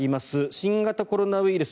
新型コロナウイルス